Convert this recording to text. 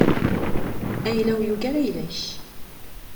Ayla-w yugar ayla-k.